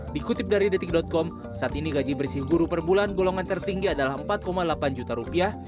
dikutip dari detik com saat ini gaji bersih guru per bulan golongan tertinggi adalah empat delapan juta rupiah